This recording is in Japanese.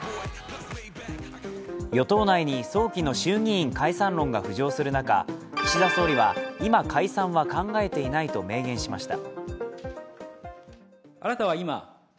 与党内に早期の衆議院解散論が浮上する中、岸田総理は、今、解散は考えていないと明言しました。